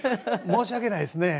申し訳ないですね。